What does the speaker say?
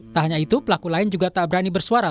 tak hanya itu pelaku lain juga tak berani bersuara